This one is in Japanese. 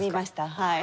はい。